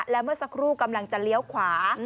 และเมื่อสักครู่กำลังจะเลี้ยวขวา